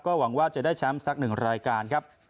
หวังว่าจะได้แชมป์สักหนึ่งรายการครับ